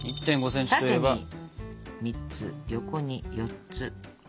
縦に３つ横に４つ。